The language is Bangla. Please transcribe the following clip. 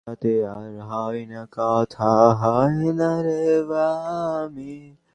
চীনের নির্মাণ মৌসুম শেষ হলে বিশ্ববাজারে রডের দাম আবার কমতে পারে।